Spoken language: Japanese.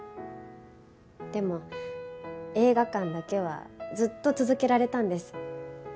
でも映画館だけはずっと続けられたんです。